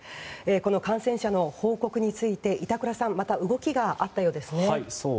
この感染者の報告について板倉さんまた動きがあったようですね。